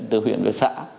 từ huyện về xã